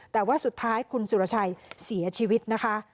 แต่ว่าสุดท้ายคุณสุรชัยเสียชีวิตนะคะ